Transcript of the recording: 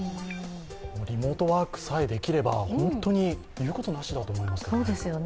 リモートワークさえできれば、言うことなしだと思いますね。